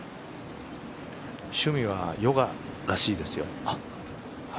趣味はヨガらしいですよ。